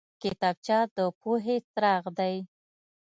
کتابچه د پوهې څراغ دی